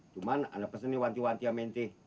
cuman anda pesen nih wanti wanti yang main teh